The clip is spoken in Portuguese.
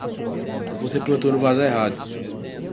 Você plantou no vaso errado!